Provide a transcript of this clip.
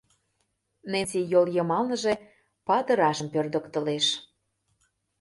Ненси йол йымалныже падырашым пӧрдыктылеш.